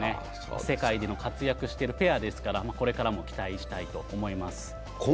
世界でも活躍してるペアですからこれからも期待したいと思います。